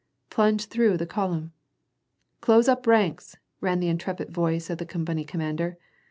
plunged through the column. ''Close up the ranks !" rang the intrepid voice of the com pany commander.